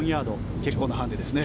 結構なハンディですね。